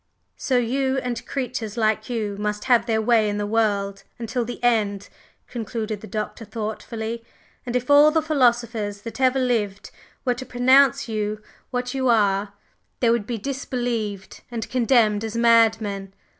"So you and creatures like you, must have their way in the world until the end," concluded the Doctor, thoughtfully. "And if all the philosophers that ever lived were to pronounce you what you are, they would be disbelieved and condemned as madmen!